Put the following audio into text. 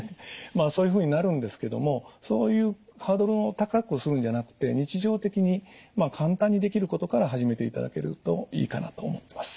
そういうふうになるんですけどもそういうハードルを高くするんじゃなくて日常的に簡単にできることから始めていただけるといいかなと思ってます。